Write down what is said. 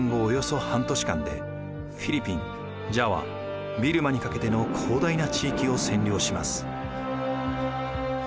およそ半年間でフィリピン・ジャワ・ビルマにかけての広大な地域を占領します。